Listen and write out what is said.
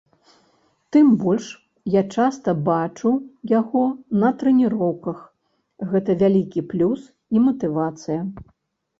Тым больш, я часта бачу яго на трэніроўках, гэта вялікі плюс і матывацыя.